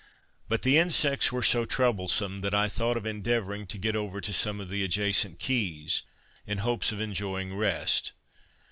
But the insects were so troublesome, that I thought of endeavoring to get over to some of the adjacent keys, in hopes of enjoying rest.